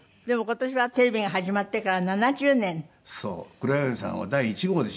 黒柳さんは第１号でしょ？